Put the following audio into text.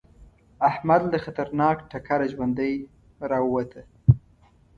احمد له خطرناک ټکره ژوندی راووته.